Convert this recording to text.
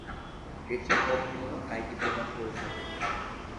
এটি অভিন্ন আইডি প্রদান করে থাকে।